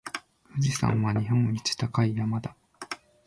富士山は日本一高い山だ。